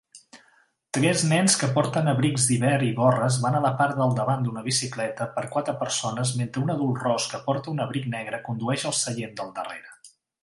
Tres nens que porten abrics d'hivern i gorres van a la part del davant d'una bicicleta per quatre persones mentre un adult ros que porta un abric negre condueix al seient del darrera